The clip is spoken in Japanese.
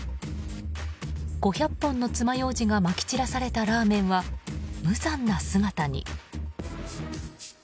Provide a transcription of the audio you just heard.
５００本のつまようじがまき散らされたラーメンは無残な姿に。